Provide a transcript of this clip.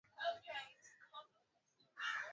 hadithi ya titanic iligeuzwa kuwa ya maumivu na ya kutisha